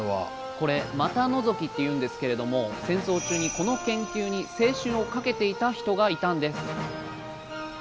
これ「股のぞき」っていうんですけれども戦争中にこの研究に青春をかけていた人がいたんです。